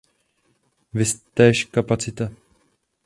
Viz též kapacita.